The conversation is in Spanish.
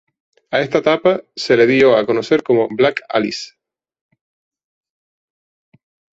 A esta etapa se le dio a conocer como "Black Alice".